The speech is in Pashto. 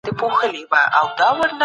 آيا تفکر او ژور ليد بسنه کوي؟